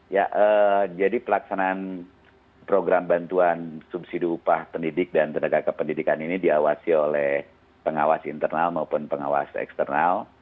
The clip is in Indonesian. ya jadi pelaksanaan program bantuan subsidi upah pendidik dan tenaga kependidikan ini diawasi oleh pengawas internal maupun pengawas eksternal